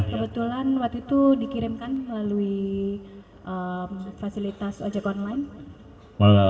kebetulan waktu itu dikirimkan melalui fasilitas ojek online